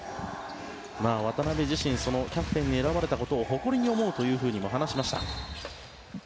渡邊自身キャプテンに選ばれたことを誇りに思うと話しました。